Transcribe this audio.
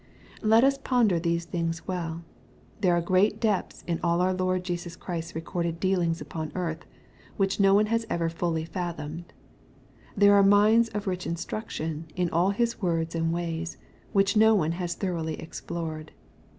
Let us ponder these things well. There are great depths in all our Lord Jesus Christ's recorded dealings upon earth, which no one has ever fully fathomed. There are mines of rich instruction in all His words and ways, which no one has thoroughly explored.